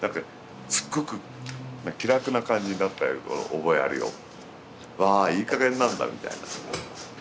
すっごく気楽な感じになった覚えあるよ。わいいかげんなんだみたいな。